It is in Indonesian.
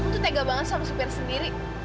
itu tega banget sama supir sendiri